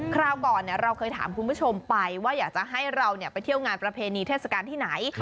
คราวก่อนเราเคยถามคุณผู้ชมไปว่าอยากจะให้เราไปเที่ยวงานประเพณีเทศกาลที่ไหน